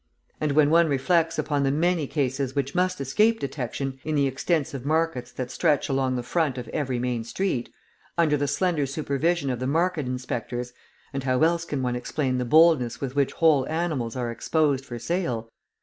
And when one reflects upon the many cases which must escape detection in the extensive markets that stretch along the front of every main street, under the slender supervision of the market inspectors and how else can one explain the boldness with which whole animals are exposed for sale?